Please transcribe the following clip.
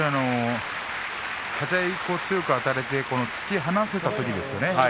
立ち合い強くあたれて突き放せたときですよね。